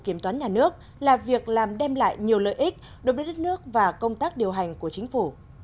kiểm toán nhà nước là việc làm đem lại nhiều lợi ích đối với đất nước và công tác điều hành